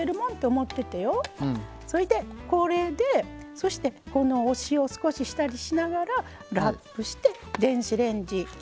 それでこれでそしてこのお塩少し下地しながらラップして電子レンジにチンです。